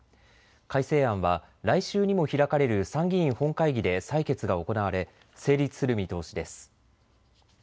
改正案は来週にも開かれる参議院本会議で採決が行われ成立する見通しです。